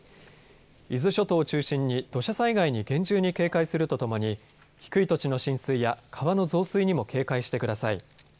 伊豆諸島を中心に土砂災害に厳重に警戒するとともに低い土地の浸水や川の増水にも警戒してください。